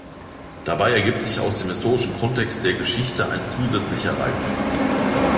Dabei ergibt sich aus dem historischen Kontext der Geschichte ein zusätzlicher Reiz.